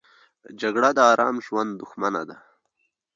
جګړه د آرام ژوند دښمنه ده